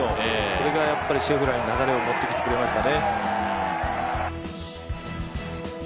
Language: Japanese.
これがシェフラーに流れを持ってきてくれましたね。